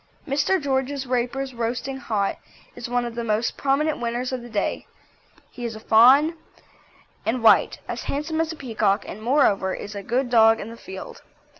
Mr. George Raper's Roasting Hot is one of the most prominent winners of the day; he is a fawn and white, as handsome as a peacock and, moreover, is a good dog in the field.